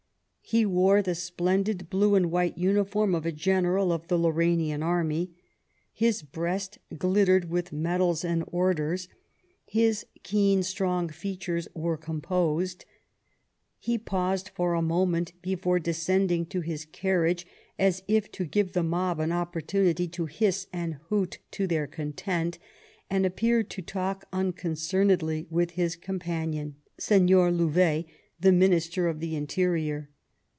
He wore the splendid blue and white uniform of a general of the Lauranian Army; his breast glittered with medals and orders; his keen strong features were composed. He paused for a moment before descending to his carriage, as if to give the mob an opportunity to hiss and hoot to their content, and appeared to talk unconcernedly with his companion, Señor Louvet, the Minister of the Interior.